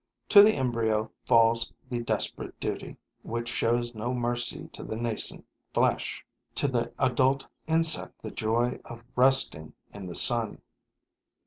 To the embryo falls the desperate duty, which shows no mercy to the nascent flesh; to the adult insect the joy of resting in the sun.